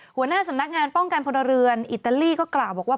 หัวหน้าสำนักงานป้องกันพลเรือนอิตาลีก็กล่าวบอกว่า